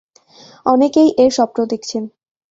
অনেকেই এর স্বপ্ন দেখেছেন।